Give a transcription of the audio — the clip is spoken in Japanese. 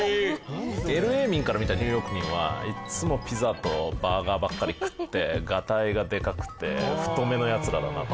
ＬＡ民から見たニューヨーク民はいつもピザとバーガーばっかり食ってがたいがでかくて太めのヤツらだなと。